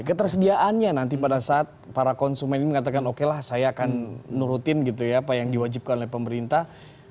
ketersediaannya nanti pada saat para konsumen ini mengatakan oke lah saya akan nurutin gitu ya apa yang diwajibkan oleh pemerintah